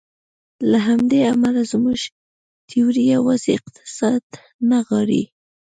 له همدې امله زموږ تیوري یوازې اقتصاد نه نغاړي.